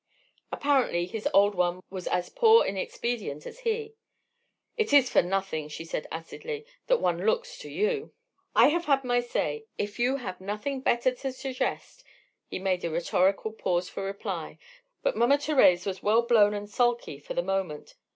Apparently his old one was as poor in expedient as he. "It is for nothing," she said, acidly, "that one looks to you!" "I have said my say. If you have anything better to suggest...." He made a rhetorical pause for reply, but Mama Thérèse was well blown and sulky for the moment.